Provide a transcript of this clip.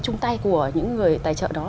chung tay của những người tài trợ đó